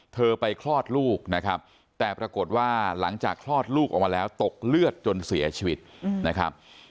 เธอไปคลอดลูกนะครับแต่ปรากฏว่าหลังจากคลอดลูกออกมาแล้วตกเลือดจนเสียชีวิตนะครับ